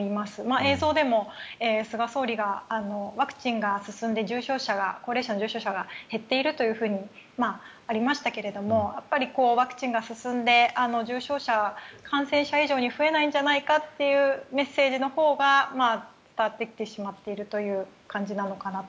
映像でも菅総理がワクチンが進んで高齢者の重症者が減っているというふうにありましたけどワクチンが進んで重症者感染者以上に増えないんじゃないかというメッセージのほうが伝わってきてしまっているという感じなのかなと。